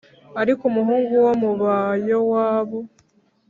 Ariko umuhungu wo mu ba yowabu